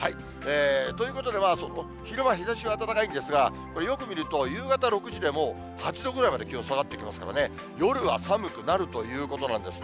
ということで、昼間、日ざしは暖かいんですが、よく見ると、夕方６時でもう８度ぐらいまで気温下がってきますからね、夜は寒くなるということなんですね。